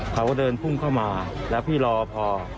เขาก็เดินพุ่งเข้ามาแล้วพี่รอพอ